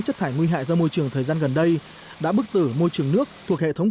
chất thải nguy hại ra môi trường thời gian gần đây đã bức tử môi trường nước thuộc hệ thống